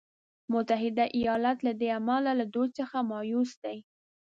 متحده ایالات له دې امله له دوی څخه مایوس دی.